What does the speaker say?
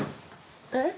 えっ？